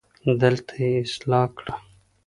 دلته يې اصلاح کړه